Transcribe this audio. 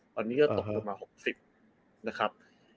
ตอนนี้ก็ตกลงมา๖๐นะครับ